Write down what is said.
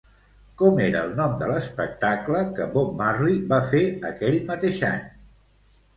Com era el nom de l'espectacle que Bob Marley va fer aquell mateix any?